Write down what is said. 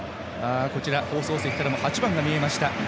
放送席からも８番が見えました。